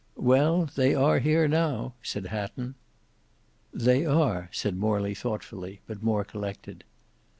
"Well they are here now," said Hatton. "They are," said Morley thoughtfully, but more collected.